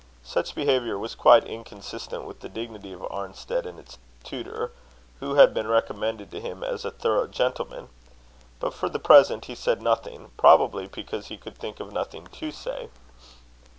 Such behaviour was quite inconsistent with the dignity of Arnstead and its tutor, who had been recommended to him as a thorough gentleman. But for the present he said nothing; probably because he could think of nothing to say.